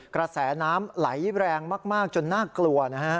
กระแสน้ำไหลแรงมากจนน่ากลัวนะฮะ